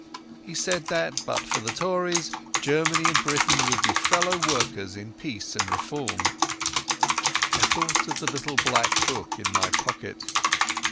He said that, but for the Tories, Germany and Britain would be fellow workers in peace and reform. I thought of the little black book in my pocket!